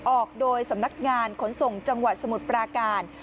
ออกโดยสำนักงานขนส่งจังหวัดสมุทรปราการ